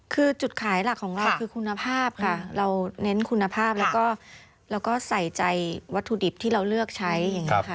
คือจุดขายหลักของเราคือคุณภาพค่ะเราเน้นคุณภาพแล้วก็เราก็ใส่ใจวัตถุดิบที่เราเลือกใช้อย่างนี้ค่ะ